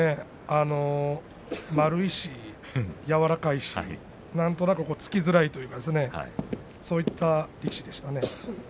丸いし、やわらかいし何となく突きづらいと言いますかそういった力士でしたね。